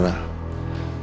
bisa deket sama clara